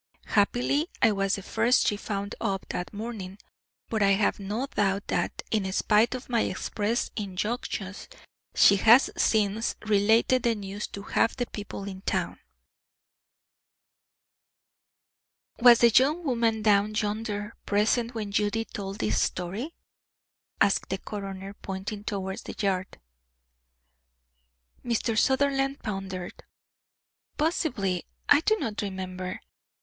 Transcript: Happily, I was the first she found up that morning, but I have no doubt that, in spite of my express injunctions, she has since related the news to half the people in town." "Was the young woman down yonder present when Judy told this story?" asked the coroner, pointing towards the yard. Mr. Sutherland pondered. "Possibly; I do not remember.